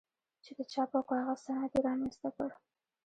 چې د چاپ او کاغذ صنعت یې رامنځته کړ.